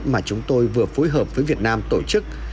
mà chúng tôi vừa phối hợp với việt nam tổ chức